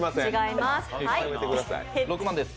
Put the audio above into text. ６万です。